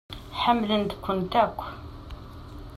Ḥemmlent-kent akk.